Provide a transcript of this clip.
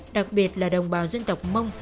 đặc biệt là đồng bào dân tộc mông